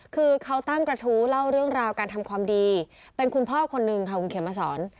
คือเขาตั้งกระทู้เล่าเรื่องราวการทำความดีเป็นคุณพ่อคนนึงค่ะคุณเขมมาสอน